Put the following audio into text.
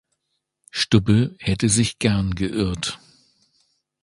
Stubbe hätte sich gern geirrt.